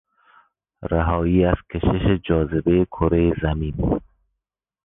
رهایی از کشش جاذبهی کرهی زمین